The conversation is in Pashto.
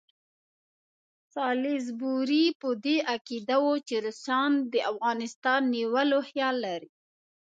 سالیزبوري په دې عقیده وو چې روسان د افغانستان نیولو خیال لري.